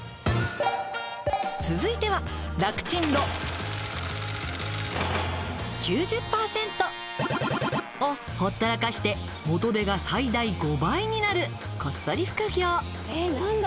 続いては。をほったらかして元手が最大５倍になるこっそり副業。